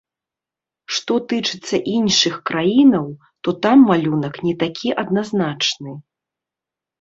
Што тычыцца іншых краінаў, то там малюнак не такі адназначны.